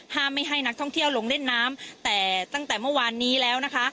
ไม่ให้นักท่องเที่ยวลงเล่นน้ำแต่ตั้งแต่เมื่อวานนี้แล้วนะคะ